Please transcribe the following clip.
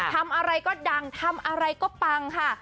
ทำอะไรก็ดังทำอะไรก็ปังค่ะ